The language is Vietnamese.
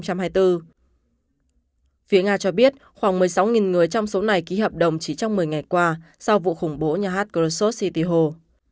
phía nga cho biết khoảng một mươi sáu người trong số này ký hợp đồng chỉ trong một mươi ngày qua sau vụ khủng bố nhà hát krosos city hall